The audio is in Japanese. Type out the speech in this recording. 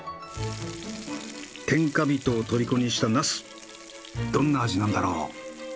天下人を虜にしたナスどんな味なんだろう。